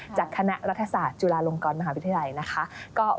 จากคณะรัฐศาสตร์จุฬาลงกรมหาวิทยาลัยนะคะ